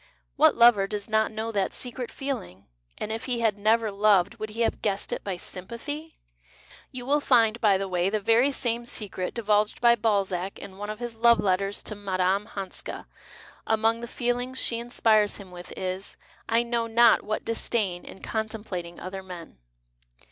What lover does not know that secret feeling ? And if he had never loved, would he have guessed it by " sympathy "? (You will lind, by the way, the very same secret divulged by Balzac in one of his love letters to Mme. Hanska — among the feelings she inspires him with is " I know not what disdain in contemplating other men.")